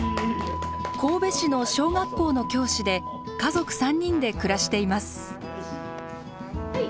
神戸市の小学校の教師で家族３人で暮らしています。